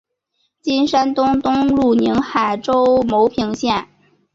金山东东路宁海州牟平县。